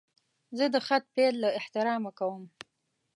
زه د خط پیل له احترامه کوم.